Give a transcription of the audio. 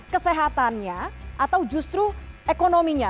kesehatannya atau justru ekonominya